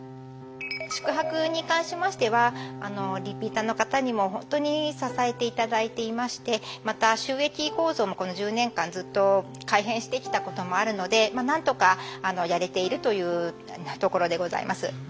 宿泊に関してましてはリピーターの方にもほんとに支えて頂いていましてまた収益構造もこの１０年間ずっと改変してきたこともあるのでまあ何とかやれているというところでございます。